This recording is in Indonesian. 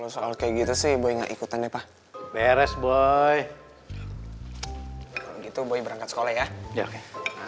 sampai jumpa di video selanjutnya